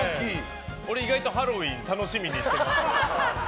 俺、意外とハロウィーン楽しみにしてるんで。